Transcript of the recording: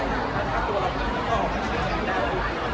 การรับความรักมันเป็นอย่างไร